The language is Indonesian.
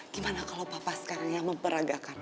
gimana kalau papa sekarang yang memperagakan